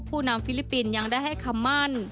นำฟิลิปปินส์ยังได้ให้คำมั่น